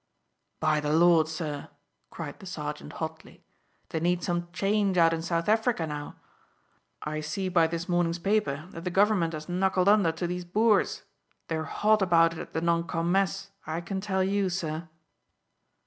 "By the Lord, sir!" cried the sergeant hotly, "they need some change out in South Africa now. I see by this mornin's paper that the Government has knuckled under to these Boers. They're hot about it at the non com. mess, I can tell you, sir."